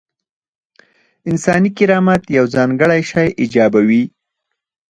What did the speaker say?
انساني کرامت یو ځانګړی شی ایجابوي.